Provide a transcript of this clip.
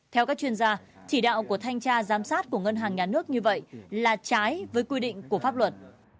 theo các chuyên gia chỉ đạo của thanh tra giám sát của ngân hàng nhà nước như vậy là trái với quy định của pháp luật